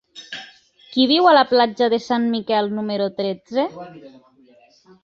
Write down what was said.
Qui viu a la platja de Sant Miquel número tretze?